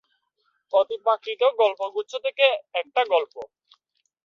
অতিপ্রাকৃত গল্পগুচ্ছ থেকে একটা গল্প।